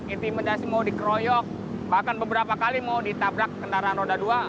intimidasi mau dikeroyok bahkan beberapa kali mau ditabrak kendaraan roda dua